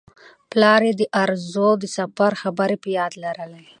پلار یې د ارزو د سفر خبرې په یاد لرلې.